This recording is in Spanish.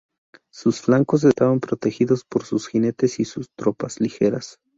Sus flancos estaban protegidos por sus jinetes y tropas ligeras.